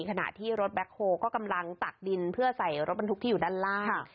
ขณะที่รถแบ็คโฮก็กำลังตักดินเพื่อใส่รถบรรทุกที่อยู่ด้านล่าง